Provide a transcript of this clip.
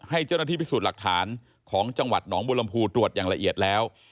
ให้เจ้าหน้าที่พิสูจน์หลักฐานของจังหวัดหนองบุรมภูตรวจอย่างละเอียดแล้ว